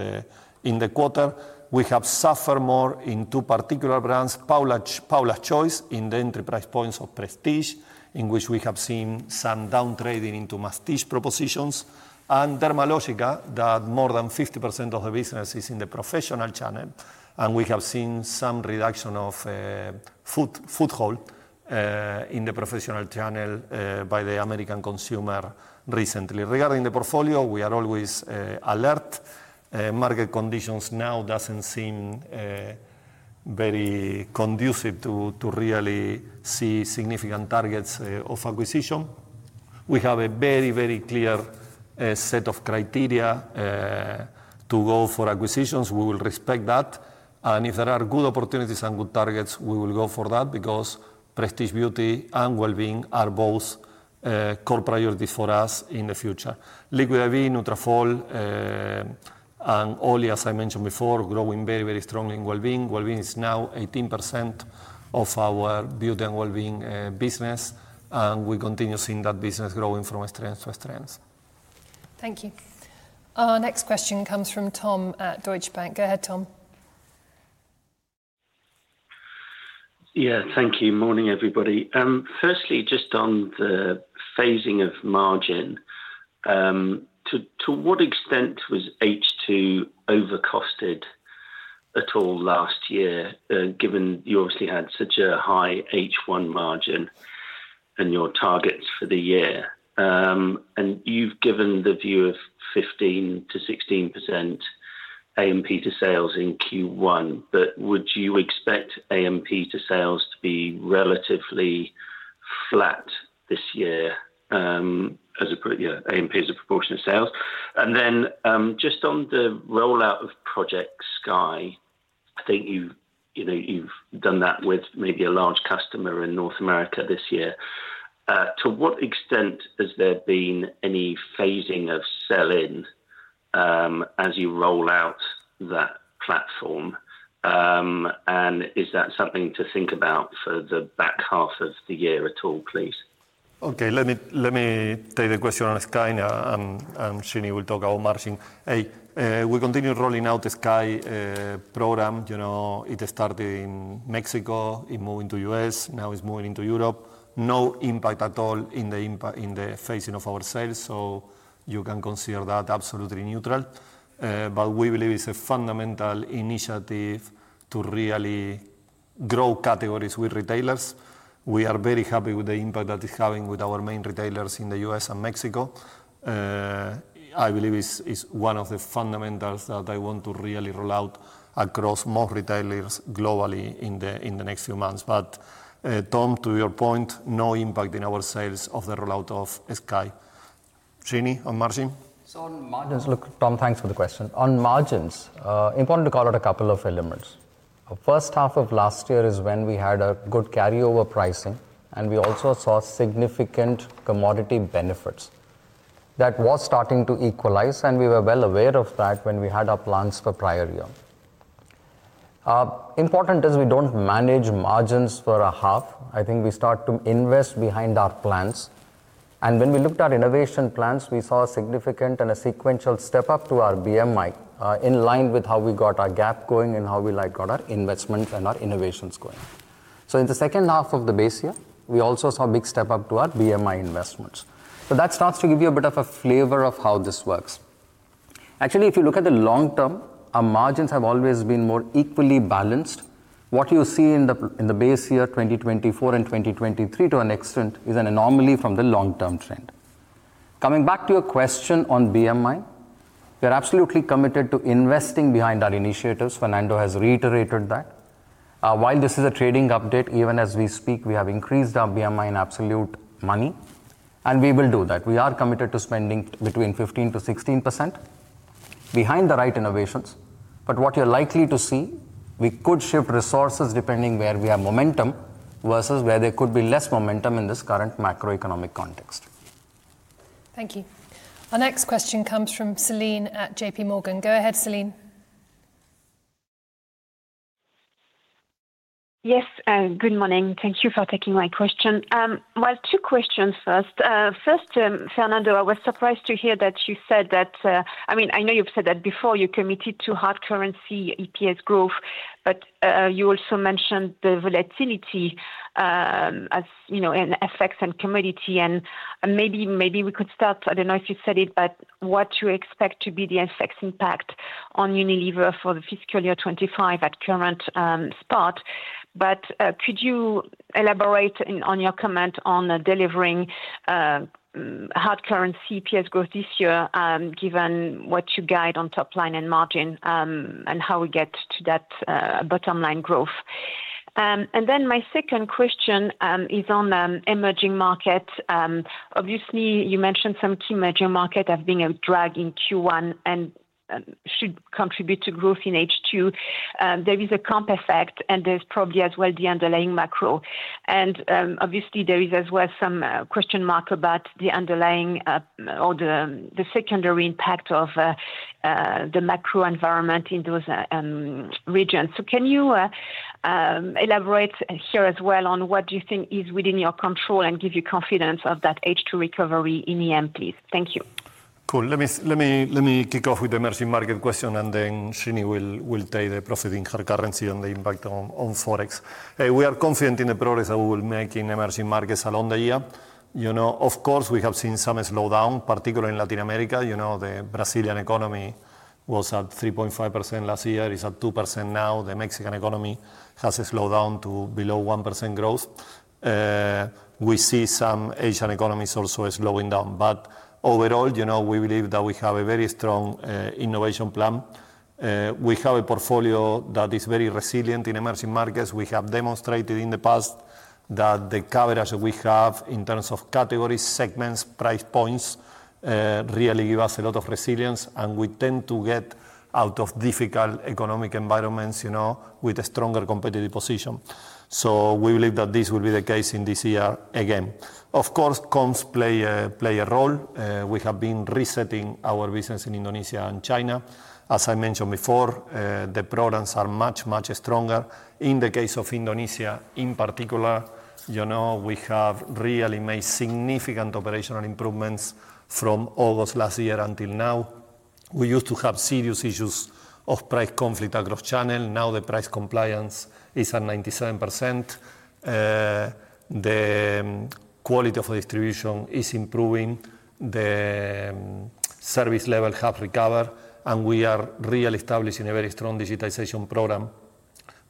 the quarter. We have suffered more in two particular brands, Paula's Choice in the entry price points of prestige, in which we have seen some downtrading into masstige propositions, and Dermalogica, that more than 50% of the business is in the professional channel. We have seen some reduction of foothold in the professional channel by the American consumer recently. Regarding the portfolio, we are always alert. Market conditions now do not seem very conducive to really see significant targets of acquisition. We have a very, very clear set of criteria to go for acquisitions. We will respect that. If there are good opportunities and good targets, we will go for that because prestige beauty and well-being are both core priorities for us in the future. Liquid I.V., Nutrafol, and Olly, as I mentioned before, growing very, very strongly in well-being. Well-being is now 18% of our beauty and well-being business, and we continue seeing that business growing from strength to strength. Thank you. Our next question comes from Tom at Deutsche Bank. Go ahead, Tom. Yeah, thank you. Morning, everybody. Firstly, just on the phasing of margin, to what extent was H2 overcosted at all last year, given you obviously had such a high H1 margin and your targets for the year? You have given the view of 15% to 16% A&P to sales in Q1, but would you expect A&P to sales to be relatively flat this year? Yeah, A&P is a proportion of sales. Then just on the rollout of Project Sky, I think you have done that with maybe a large customer in North America this year. To what extent has there been any phasing of sell-in as you roll out that platform? Is that something to think about for the back half of the year at all, please? Okay, let me take the question on Sky and Srini will talk about margin. We continue rolling out the Sky program. It started in Mexico, it moved into the U.S., now it is moving into Europe. No impact at all in the phasing of our sales, so you can consider that absolutely neutral. We believe it is a fundamental initiative to really grow categories with retailers. We are very happy with the impact that it is having with our main retailers in the U.S. and Mexico. I believe it is one of the fundamentals that I want to really roll out across most retailers globally in the next few months. Tom, to your point, no impact in our sales of the rollout of Sky. Srini on margin? On margins, look, Tom, thanks for the question. On margins, important to call out a couple of elements. The first half of last year is when we had a good carryover pricing, and we also saw significant commodity benefits. That was starting to equalize, and we were well aware of that when we had our plans for prior year. Important is we do not manage margins for a half. I think we start to invest behind our plans. When we looked at innovation plans, we saw a significant and a sequential step up to our BMI in line with how we got our gap going and how we got our investments and our innovations going. In the second half of the base year, we also saw a big step up to our BMI investments. That starts to give you a bit of a flavor of how this works. Actually, if you look at the long term, our margins have always been more equally balanced. What you see in the base year 2024 and 2023 to an extent is an anomaly from the long-term trend. Coming back to your question on BMI, we are absolutely committed to investing behind our initiatives. Fernando has reiterated that. While this is a trading update, even as we speak, we have increased our BMI in absolute money, and we will do that. We are committed to spending between 15% to 16% behind the right innovations. What you're likely to see, we could shift resources depending where we have momentum versus where there could be less momentum in this current macroeconomic context. Thank you. Our next question comes from Celine at JP Morgan. Go ahead, Celine. Yes, good morning. Thank you for taking my question. Two questions first. First, Fernando, I was surprised to hear that you said that, I mean, I know you've said that before, you committed to hard currency EPS growth, but you also mentioned the volatility as an effect on commodity. Maybe we could start, I don't know if you said it, but what you expect to be the effect impact on Unilever for the fiscal year 2025 at current spot. Could you elaborate on your comment on delivering hard currency EPS growth this year, given what you guide on top line and margin and how we get to that bottom line growth? My second question is on emerging markets. Obviously, you mentioned some key emerging markets have been a drag in Q1 and should contribute to growth in H2. There is a comp effect, and there's probably as well the underlying macro. Obviously, there is as well some question mark about the underlying or the secondary impact of the macro environment in those regions. Can you elaborate here as well on what you think is within your control and give you confidence of that H2 recovery in EMPs? Thank you. Cool. Let me kick off with the emerging market question, and then Srini will take the proceeding hard currency on the impact on Forex. We are confident in the progress that we will make in emerging markets along the year. Of course, we have seen some slowdown, particularly in Latin America. The Brazilian economy was at 3.5% last year. It's at 2% now. The Mexican economy has slowed down to below 1% growth. We see some Asian economies also slowing down. Overall, we believe that we have a very strong innovation plan. We have a portfolio that is very resilient in emerging markets. We have demonstrated in the past that the coverage that we have in terms of categories, segments, price points really give us a lot of resilience, and we tend to get out of difficult economic environments with a stronger competitive position. We believe that this will be the case in this year again. Of course, comps play a role. We have been resetting our business in Indonesia and China. As I mentioned before, the programs are much, much stronger. In the case of Indonesia in particular, we have really made significant operational improvements from August last year until now. We used to have serious issues of price conflict across channels. Now the price compliance is at 97%. The quality of distribution is improving. The service level has recovered, and we are really establishing a very strong digitization program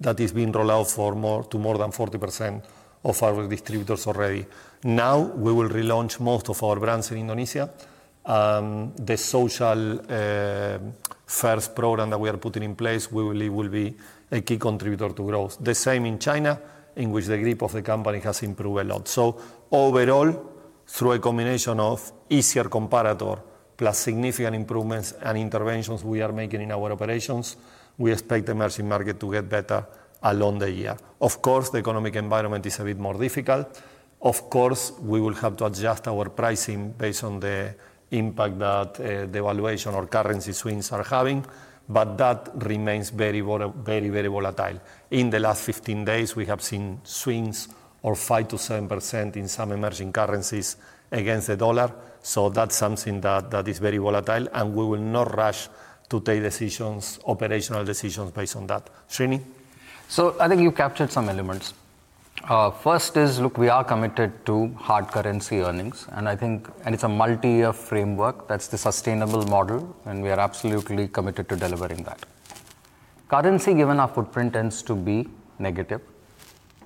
that is being rolled out to more than 40% of our distributors already. Now we will relaunch most of our brands in Indonesia. The social first program that we are putting in place, we believe, will be a key contributor to growth. The same in China, in which the grip of the company has improved a lot. Overall, through a combination of easier comparator plus significant improvements and interventions we are making in our operations, we expect the emerging market to get better along the year. Of course, the economic environment is a bit more difficult. Of course, we will have to adjust our pricing based on the impact that the valuation or currency swings are having, but that remains very, very volatile. In the last 15 days, we have seen swings of 5% to 7% in some emerging currencies against the dollar. That is something that is very volatile, and we will not rush to take operational decisions based on that. Srini? I think you captured some elements. First is, look, we are committed to hard currency earnings, and it is a multi-year framework, that is the sustainable model, and we are absolutely committed to delivering that. Currency, given our footprint, tends to be negative.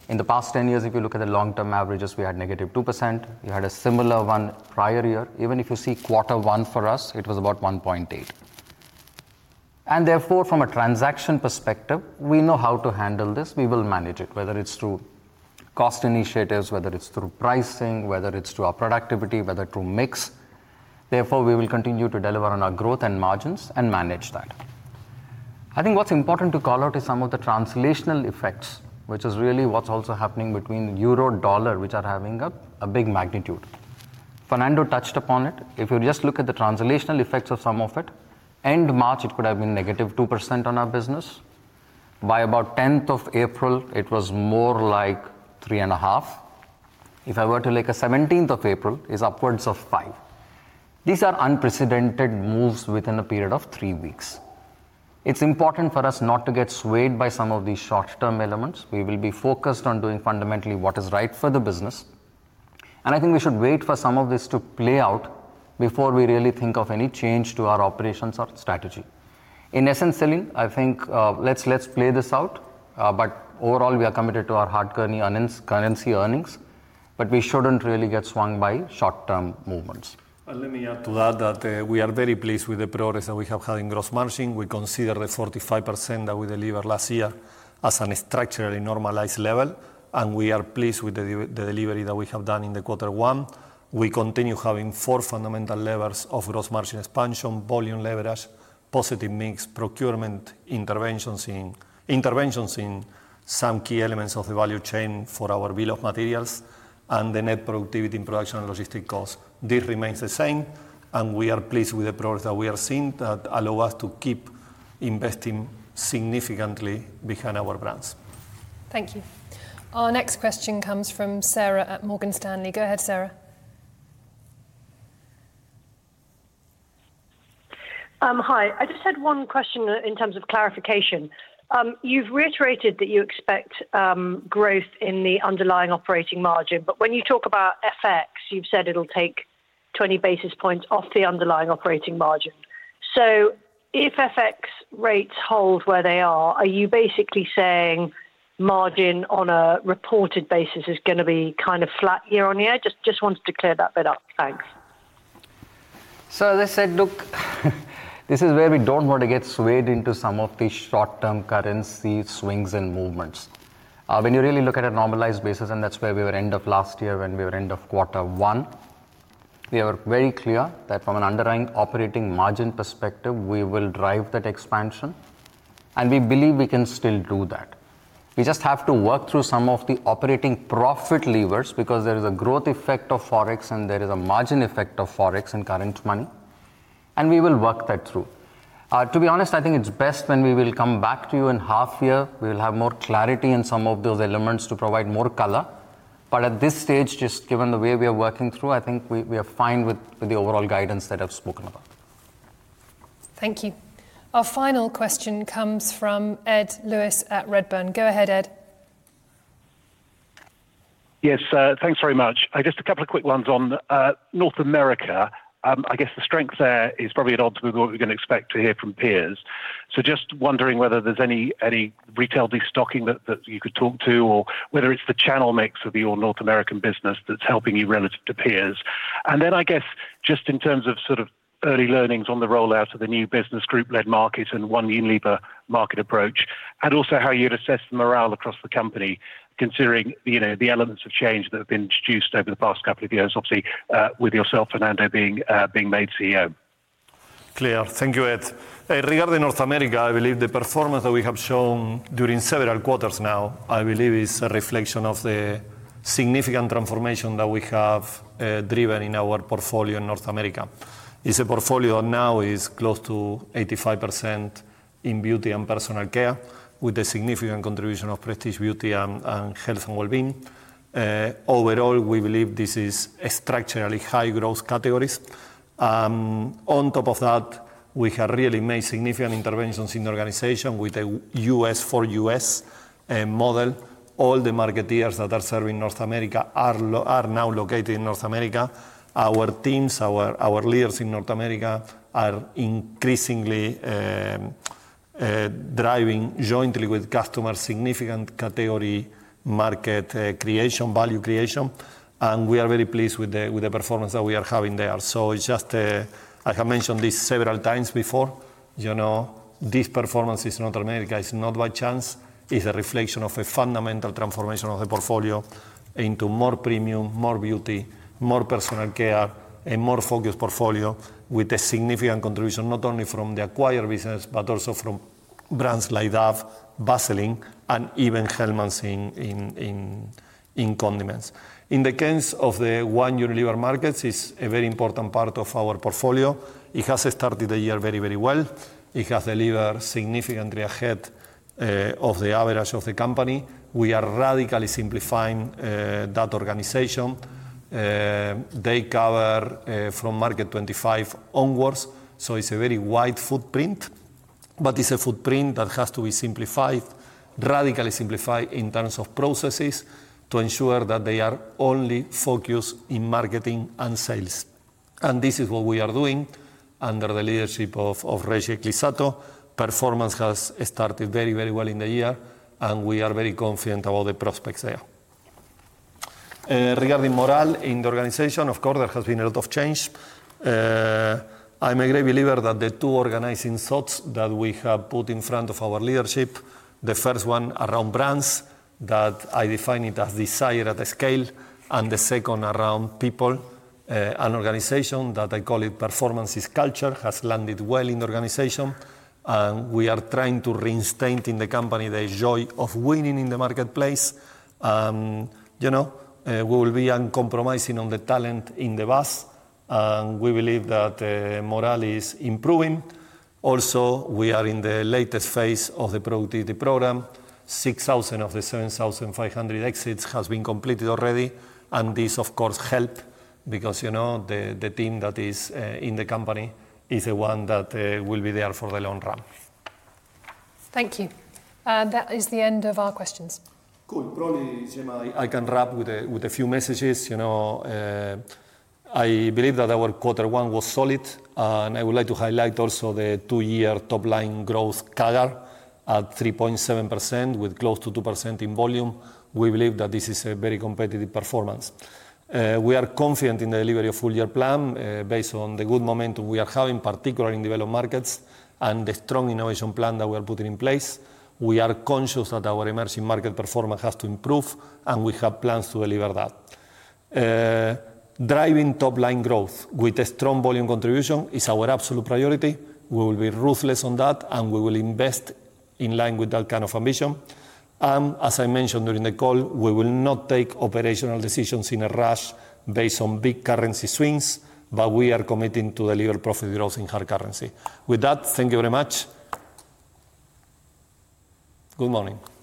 In the past 10 years, if you look at the long-term averages, we had negative 2%. We had a similar one prior year. Even if you see Q1 for one for us, it was about 1.8%. Therefore, from a transaction perspective, we know how to handle this. We will manage it, whether it is through cost initiatives, whether it is through pricing, whether it is through our productivity, whether through mix. Therefore, we will continue to deliver on our growth and margins and manage that. I think what's important to call out is some of the translational effects, which is really what's also happening between euro and dollar, which are having a big magnitude. Fernando touched upon it. If you just look at the translational effects of some of it, end March, it could have been negative 2% on our business. By about 10th of April, it was more like 3.5%. If I were to look at 17th of April, it's upwards of 5%. These are unprecedented moves within a period of three weeks. It's important for us not to get swayed by some of these short-term elements. We will be focused on doing fundamentally what is right for the business. I think we should wait for some of this to play out before we really think of any change to our operations or strategy. In essence, Celine, I think let's play this out. Overall, we are committed to our hard currency earnings, but we shouldn't really get swung by short-term movements. Let me add to that that we are very pleased with the progress that we have had in gross margin. We consider the 45% that we delivered last year as a structurally normalized level, and we are pleased with the delivery that we have done in Q1. We continue having four fundamental levers of gross margin expansion, volume leverage, positive mix, procurement interventions in some key elements of the value chain for our bill of materials, and the net productivity in production and logistic costs. This remains the same, and we are pleased with the progress that we have seen that allows us to keep investing significantly behind our brands. Thank you. Our next question comes from Sarah at Morgan Stanley. Go ahead, Sarah. Hi. I just had one question in terms of clarification. You've reiterated that you expect growth in the underlying operating margin, but when you talk about FX, you've said it'll take 20 basis points off the underlying operating margin. If FX rates hold where they are, are you basically saying margin on a reported basis is going to be kind of flat year on year? Just wanted to clear that bit up. Thanks. As I said, look, this is where we don't want to get swayed into some of these short-term currency swings and movements. When you really look at a normalized basis, and that's where we were at the end of last year when we were at the end of Q1, we were very clear that from an underlying operating margin perspective, we will drive that expansion, and we believe we can still do that. We just have to work through some of the operating profit levers because there is a growth effect of Forex, and there is a margin effect of Forex and current money, and we will work that through. To be honest, I think it's best when we will come back to you in half year. We will have more clarity in some of those elements to provide more color. At this stage, just given the way we are working through, I think we are fine with the overall guidance that I've spoken about. Thank you. Our final question comes from Ed Lewis at Redburn. Go ahead, Ed. Yes, thanks very much. Just a couple of quick ones on North America. I guess the strength there is probably at odds with what we're going to expect to hear from peers. Just wondering whether there's any retail destocking that you could talk to, or whether it's the channel mix of your North American business that's helping you relative to peers. I guess just in terms of sort of early learnings on the rollout of the new business group-led market and one Unilever market approach, and also how you'd assess the morale across the company considering the elements of change that have been introduced over the past couple of years, obviously with yourself, Fernando, being made CEO. Clear. Thank you, Ed. Regarding North America, I believe the performance that we have shown during several quarters now, I believe it's a reflection of the significant transformation that we have driven in our portfolio in North America. It's a portfolio that now is close to 85% in beauty and personal care, with a significant contribution of prestige, beauty, and health and well-being. Overall, we believe this is structurally high growth categories. On top of that, we have really made significant interventions in the organization with a U.S. for U.S. model. All the marketers that are serving North America are now located in North America. Our teams, our leaders in North America are increasingly driving jointly with customers significant category market creation, value creation, and we are very pleased with the performance that we are having there. I have mentioned this several times before, this performance in North America is not by chance. It's a reflection of a fundamental transformation of the portfolio into more premium, more beauty, more personal care, and more focused portfolio with a significant contribution not only from the acquired business, but also from brands like Dove, Vaseline, and even Hellmann's in condiments. In the case of the one Unilever markets, it's a very important part of our portfolio. It has started the year very, very well. It has delivered significantly ahead of the average of the company. We are radically simplifying that organization. They cover from Market 25 onwards, so it's a very wide footprint, but it's a footprint that has to be simplified, radically simplified in terms of processes to ensure that they are only focused in marketing and sales. This is what we are doing under the leadership of Reggie Ecclissato. Performance has started very, very well in the year, and we are very confident about the prospects there. Regarding morale in the organization, of course, there has been a lot of change. I'm a great believer that the two organizing thoughts that we have put in front of our leadership, the first one around brands, that I define it as desire at a scale, and the second around people and organization, that I call it performance is culture, has landed well in the organization. We are trying to reinstate in the company the joy of winning in the marketplace. We will be uncompromising on the talent in the bus, and we believe that morale is improving. Also, we are in the latest phase of the productivity program, 6,000 of the 7,500 exits has been completed already, and this, of course, helped because the team that is in the company is the one that will be there for the long run. Thank you. That is the end of our questions. Cool. Probably, Gemma, I can wrap with a few messages. I believe that our Q1 was solid, and I would like to highlight also the two-year top-line growth CAGR at 3.7% with close to 2% in volume. We believe that this is a very competitive performance. We are confident in the delivery of the full-year plan based on the good momentum we are having, particularly in developed markets, and the strong innovation plan that we are putting in place. We are conscious that our emerging market performance has to improve, and we have plans to deliver that. Driving top-line growth with a strong volume contribution is our absolute priority. We will be ruthless on that, and we will invest in line with that kind of ambition. As I mentioned during the call, we will not take operational decisions in a rush based on big currency swings, but we are committing to deliver profit growth in hard currency. With that, thank you very much. Good morning. Thank you.